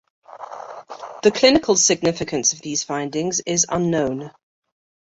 The clinical significance of these findings is unknown.